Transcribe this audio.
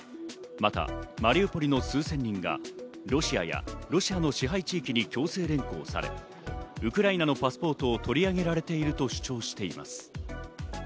またマリウポリの数千人がロシアやロシアの支配地域に強制連行され、ウクライナのパスポートを取り上げられていると主張しています。